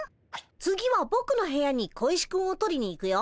次はぼくの部屋に小石くんを取りに行くよ。